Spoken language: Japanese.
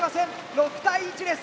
６対１です。